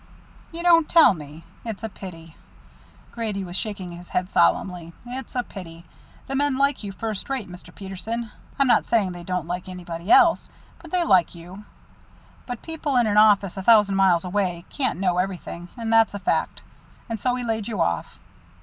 "You don't tell me that? It's a pity." Grady was shaking his head solemnly. "It's a pity. The men like you first rate, Mr. Peterson. I'm not saying they don't like anybody else, but they like you. But people in an office a thousand miles away can't know everything, and that's a fact. And so he laid you off."